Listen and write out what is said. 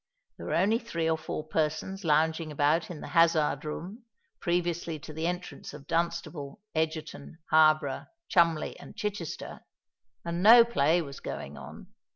There were only three or four persons lounging about in the Hazard Room, previously to the entrance of Dunstable, Egerton, Harborough, Cholmondeley, and Chichester; and no play was going on.